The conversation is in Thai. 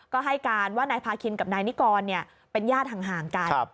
ก็ให้การว่านายพาคินกับนายนิกรเป็นญาติห่างกัน